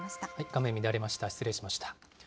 画面乱れました、失礼しました。